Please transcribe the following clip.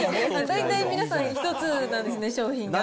大体、皆さん、１つなんですね、商品が。